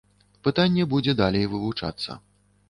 Пытанне будзе далей вывучацца.